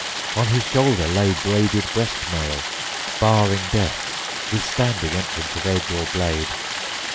On his shoulder lay braided breast mail, barring death, withstanding entrance of edge or blade.